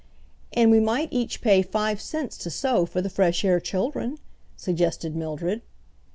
"And we might each pay five cents to sew for the fresh air children," suggested Mildred.